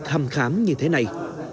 thăm khám như thế này